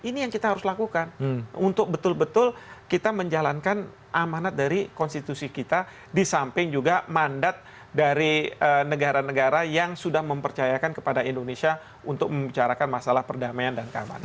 ini yang kita harus lakukan untuk betul betul kita menjalankan amanat dari konstitusi kita di samping juga mandat dari negara negara yang sudah mempercayakan kepada indonesia untuk membicarakan masalah perdamaian dan keamanan